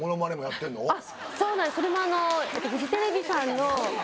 そうなんですそれも。